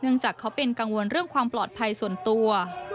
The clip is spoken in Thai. จากเขาเป็นกังวลเรื่องความปลอดภัยส่วนตัว